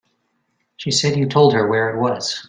She said you told her where it was.